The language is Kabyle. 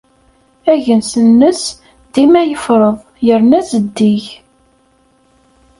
Agens-nnes dima yefreḍ yerna zeddig.